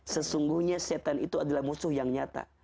sesungguhnya setan itu adalah musuh yang nyata